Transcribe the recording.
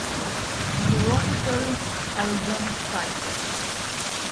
Chronicles album cycle.